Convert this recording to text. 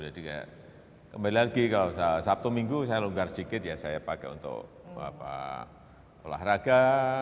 jadi kembali lagi kalau sabtu minggu saya longgar sikit ya saya pakai untuk olahraga